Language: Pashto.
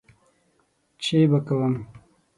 څشي به کوم.